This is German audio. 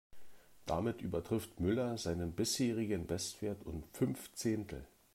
Damit übertrifft Müller seinen bisherigen Bestwert um fünf Zehntel.